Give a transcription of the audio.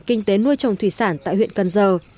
kinh tế nuôi trồng thủy sản tại huyện cần giờ